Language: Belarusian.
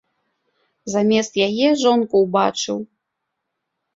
Замест яе жонку ўбачыў.